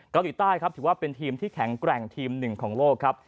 เกาหลีใต้ครับถือว่าเป็นทีมที่แข็งแกร่งทีมหนึ่งของโลกครับ